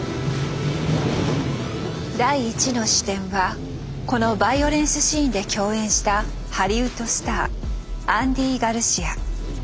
第１の視点はこのバイオレンスシーンで共演したハリウッドスターアンディ・ガルシア。